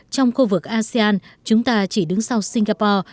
trong khu vực asean chúng ta chỉ đứng sau singapore